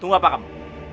tunggu apa kamu